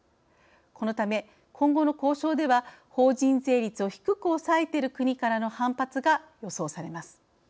このため、今後の交渉では法人税率を低く抑えている国からの反発が予想されます。